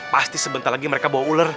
pasti sebentar lagi mereka bawa ular